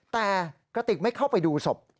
แต่กระติกไม่เข้าไปดูศพ